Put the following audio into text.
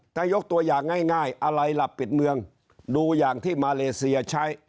ถ้ายกตัวอย่างง่ายอะไรล่ะปิดเมืองดูอย่างที่มาเลเซียใช้